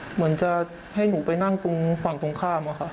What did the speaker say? เหมือนจะให้หนูไปนั่งตรงฝั่งตรงข้ามอะค่ะ